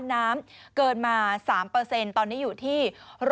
น้ำเกินมา๓ตอนนี้อยู่ที่๑๐๐